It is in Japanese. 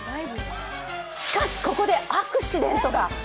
しかし、ここでアクシデントが。